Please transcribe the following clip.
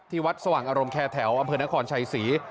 ที่วัดสว่างอารมณ์แคแถวอำรุณาของชัยศรี